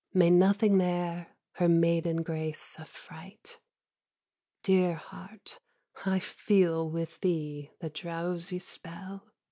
May nothing there her maiden grace affright! Dear heart, I feel with thee the drowsy spell.